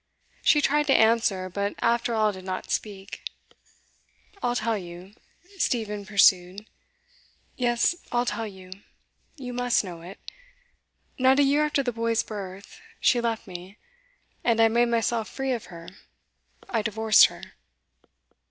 She tried to answer, but after all did not speak. 'I'll tell you,' Stephen pursued. 'Yes, I'll tell you. You must know it. Not a year after the boy's birth, she left me. And I made myself free of her I divorced her.